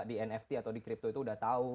di nft atau di crypto itu udah tahu